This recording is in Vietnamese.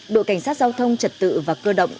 đội cảnh sát giao thông trật tự và cơ động